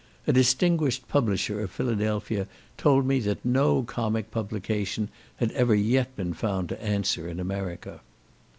A distinguished publisher of Philadelphia told me that no comic publication had ever yet been found to answer in America.